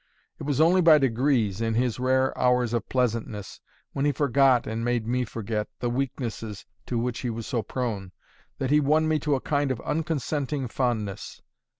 It was only by degrees, in his rare hours of pleasantness, when he forgot (and made me forget) the weaknesses to which he was so prone, that he won me to a kind of unconsenting fondness.